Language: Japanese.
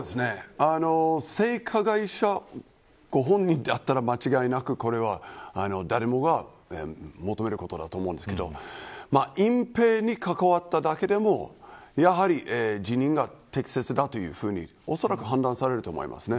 性加害ご本人であったら間違いなくこれは誰もが求めることだと思うんですけど隠ぺいに関わっただけでもやはり辞任が適切だというふうにおそらく判断されると思いますね。